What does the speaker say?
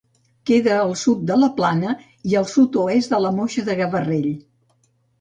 Queda al sud de la Plana i al sud-oest de la Moixa de Gavarrell.